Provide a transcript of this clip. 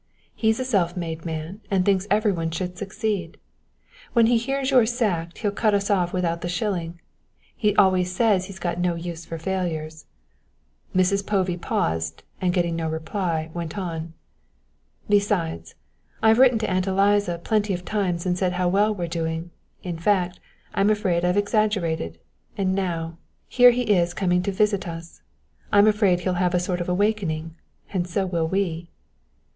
he's a self made man and thinks everyone should succeed. When he hears you're sacked he'll cut us off without the shilling. He always says he's got no use for failures." Mrs. Povey paused, and getting no reply went on. "Besides, I've written to Aunt Eliza plenty of times and said how well we were doing; in fact, I'm afraid I've exaggerated, and now, here he is coming to visit us. I'm afraid he'll have a sort of awakening and so will we."